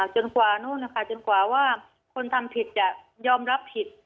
จนกว่านู่นนะคะจนกว่าว่าคนทำผิดจะยอมรับผิด